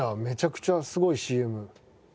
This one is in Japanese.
めちゃくちゃすごいＣＭ。